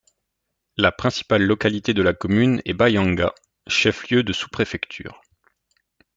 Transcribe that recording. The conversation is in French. La principale localité de la commune est Bayanga, chef-lieu de sous-préfecture.